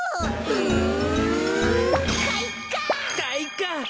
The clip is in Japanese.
うん。